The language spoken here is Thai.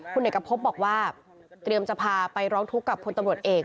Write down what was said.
คุณเอกพบบอกว่าเตรียมจะพาไปร้องทุกข์กับพลตำรวจเอก